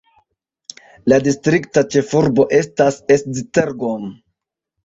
La distrikta ĉefurbo estas Esztergom.